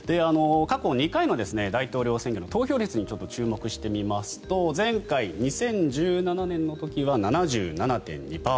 過去２回の大統領選挙の投票率に注目してみますと前回、２０１７年の時は７７．２％